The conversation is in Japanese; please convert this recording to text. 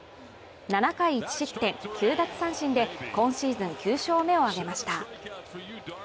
７回１失点９奪三振で今シーズン９勝目を挙げました。